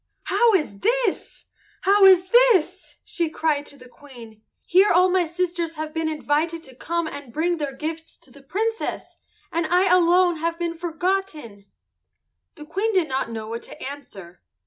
"How is this? How is this?" she cried to the Queen. "Here all my sisters have been invited to come and bring their gifts to the Princess, and I alone have been forgotten." The Queen did not know what to answer.